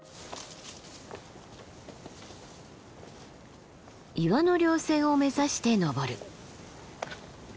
岩の稜線を目指して登る。